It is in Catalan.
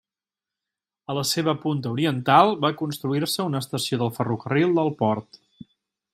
A la seva punta oriental, va construir-se una estació del ferrocarril del port.